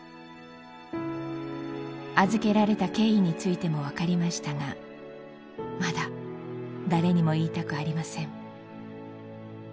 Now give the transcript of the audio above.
預けられた経緯についてもわかりましたがまだ誰にも言いたくありません。